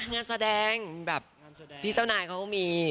งานแสดงพี่เจ้าหน่ายเขามี